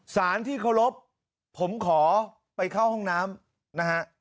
สารที่เคารพผมขอไปเข้าห้องน้ำนะฮะ